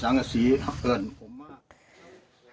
ห้องก็ต้องนอนแบบหวั่น